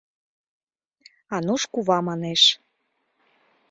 — Ануш кува манеш.